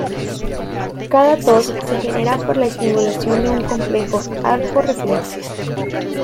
Cada tos se genera por la estimulación de un complejo arco reflejo.